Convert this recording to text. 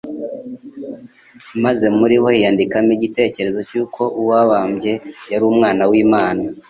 maze muri bo hiyandikamo igitekerezo cy'uko uwo babambye yari Umwana w'Imana.